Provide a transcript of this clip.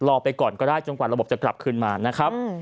ไปก่อนก็ได้จนกว่าระบบจะกลับคืนมานะครับ